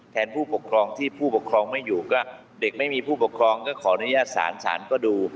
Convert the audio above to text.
ผู้ปกครองที่ผู้ปกครองไม่อยู่ก็เด็กไม่มีผู้ปกครองก็ขออนุญาตศาลศาลก็ดู